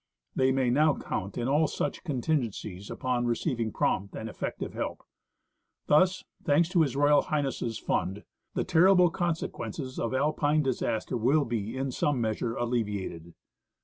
They may now count in all such contingren cies upon receiving prompt and effective help. Thus, thanks to H.R. H.'s Fund, the terrible con sequences of Alpine disaster will be, in some measure, alleviated.